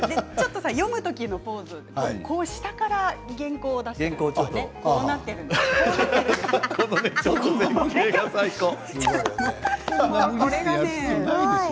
読む時のポーズ下から原稿を出しているんですよ。